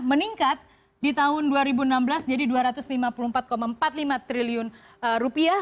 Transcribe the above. meningkat di tahun dua ribu enam belas jadi dua ratus lima puluh empat empat puluh lima triliun rupiah